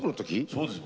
そうですよ